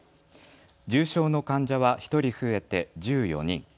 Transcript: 重症の患者は１人増えて１４人。